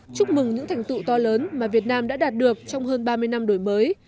chúc mừng những thành tựu to lớn mà việt nam đã đạt được trong hơn ba mươi năm đổi mới